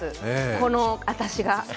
この私が。